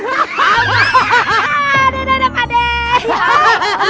aduh aduh aduh aduh aduh aduh